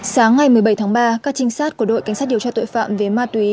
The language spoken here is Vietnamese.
sáng ngày một mươi bảy tháng ba các trinh sát của đội cảnh sát điều tra tội phạm về ma túy